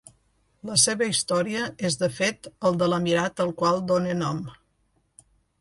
La seva història és de fet el de l'emirat al qual dóna nom.